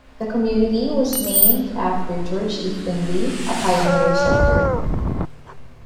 The community was named after George E. Finley, a pioneer settler.